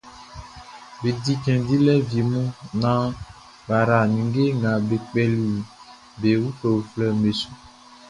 Be di cɛn dilɛ wie mun naan bʼa yra ninnge nga be kpɛli be uflɛuflɛʼn be su.